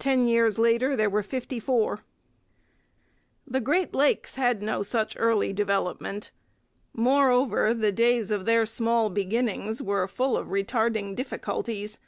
Ten years later there were 54. The Great Lakes had no such early development. Moreover, the days of their small beginnings were full of retarding difficulties.